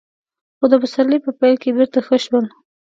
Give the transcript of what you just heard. خو د پسرلي په پيل کې بېرته ښه شول.